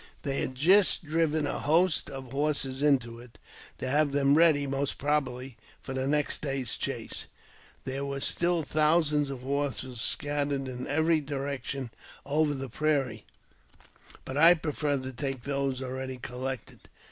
They had just driven a host of horses into it, to have them ready, most probably, for the next day's chase. ies. , II tf. Vfa I JAMES P. BECKWOUBTH. 291 There were still thousands of horses scattered in every direc tion over the prairie, but I preferred to take those already col lected.